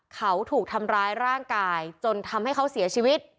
เขาถูกทำร้ายร่างกายจนทำให้เขาเสียชีวิต